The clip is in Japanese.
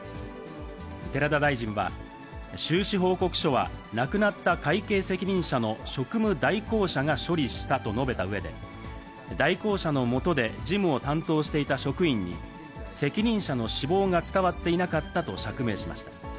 寺田大臣は、収支報告書は亡くなった会計責任者の職務代行者が処理したと述べたうえで、代行者の下で事務を担当していた職員に、責任者の死亡が伝わっていなかったと釈明しました。